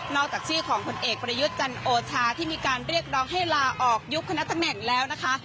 จากชื่อของผลเอกประยุทธ์จันโอชาที่มีการเรียกร้องให้ลาออกยุบคณะตำแหน่งแล้วนะคะ